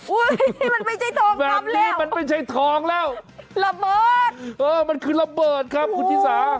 อุ๊ยมันไม่ใช่โทกคำแล้วระเบิดมันคือระเบิดครับคุณฟิสา